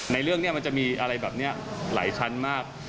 ในเรื่องนี้มันจะมีอะไรแบบนี้หลายชั้นมาก